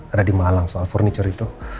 ada di malang soal furniture itu